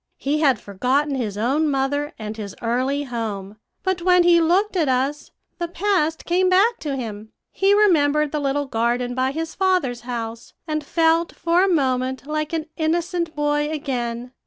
He had forgotten his own mother and his early home; but when he looked at us, the past came back to him. He remembered the little garden by his father's house, and felt for a moment like an innocent boy again.